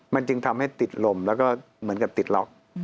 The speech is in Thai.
มันจึงทำให้ติดลมแล้วก็เหมือนกับติดล็อก